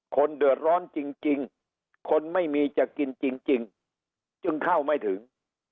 คนเดือดร้อนจริงคนไม่มีจะกินจริงจึงเข้าไม่ถึง